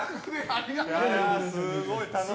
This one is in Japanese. ありがとうございます。